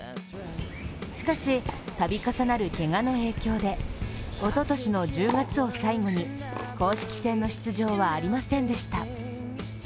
しかし度重なるけがの影響でおととしの１０月を最後に公式戦の出場はありませんでした。